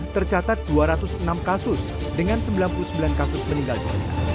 tercatat dua ratus enam kasus dengan sembilan puluh sembilan kasus meninggal dunia